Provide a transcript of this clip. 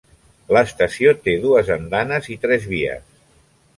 L'estació té dues andanes i tres vies.